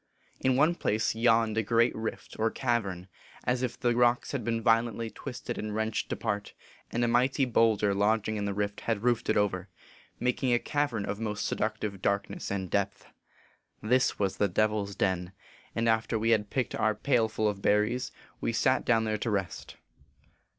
In one place yawned a great rift, or cavern, as if the rocks had been violently twisted and wrenched apart, and a mighty bowlder lodging in the rift had roofed it over, making a cavern of most seductive darkness and depth. This was the Devil s Den ; and after we had picked our pail full of berries, we sat down there to rest.